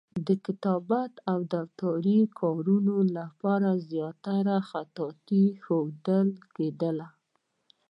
د کتابت او دفتري کارونو لپاره زیاتره خطاطي ښودل کېدله.